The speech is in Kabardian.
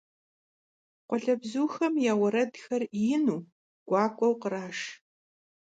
Khualebzuxem ya vueredxer yinu, guak'ueu khraşş.